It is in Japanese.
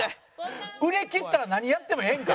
売れきったら何やってもええんか？